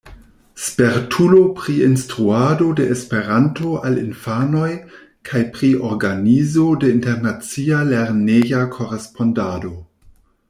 Spertulo pri instruado de Esperanto al infanoj kaj pri organizo de internacia lerneja korespondado.